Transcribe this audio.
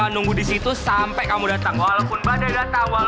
han han pasti ada yang gak beres nih han